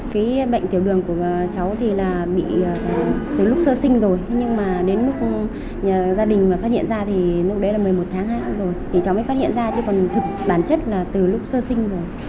cái bệnh tiểu đường của cháu thì là bị từ lúc sơ sinh rồi nhưng mà đến lúc gia đình mà phát hiện ra thì lúc đấy là một mươi một tháng rồi thì cháu mới phát hiện ra chứ còn thực bản chất là từ lúc sơ sinh rồi